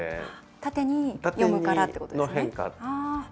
縦に読むからってことですね？